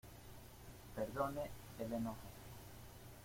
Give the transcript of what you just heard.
perdone el enojo.